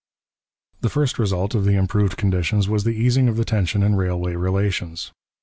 The first result of the improved conditions was the easing of the tension in railway relations.